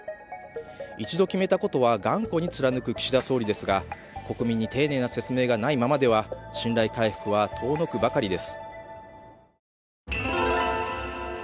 一度決めたことは頑固に貫く岸田総理ですが、国民に丁寧な説明がないままでは信頼回復は遠のくばかりです。